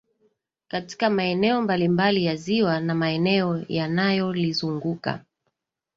katika maeneo mbalimbali ya ziwa na maeneo yanayolizunguka